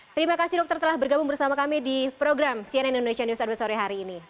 terima kasih dokter telah bergabung bersama kami di program cnn indonesia news update sore hari ini